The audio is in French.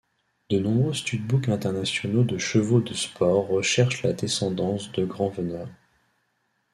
De nombreux stud-book internationaux de chevaux de sport recherchent la descendance de Grand Veneur.